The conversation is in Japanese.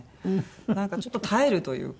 なんかちょっと耐えるというか。